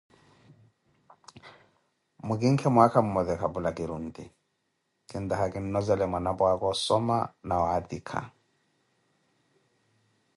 Mwikinke mwaaka mmote kapula kiri onti, kintaka kinlozele mwanapwa aka osoma na waatika.